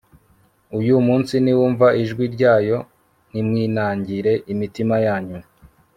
uyu munsi niwumva ijwi ryayo ntimwinangire imitima yanyu